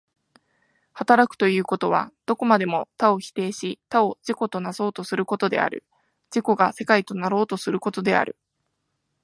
働くということは、どこまでも他を否定し他を自己となそうとすることである、自己が世界となろうとすることである。